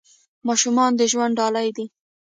ماشومان د ژوند ډالۍ دي .